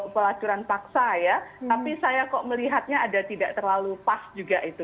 pelacuran paksa ya tapi saya kok melihatnya ada tidak terlalu pas juga itu